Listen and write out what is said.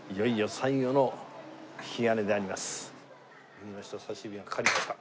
右の人さし指がかかりました。